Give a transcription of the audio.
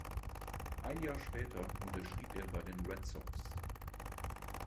Ein Jahr später unterschrieb er bei den Red Sox.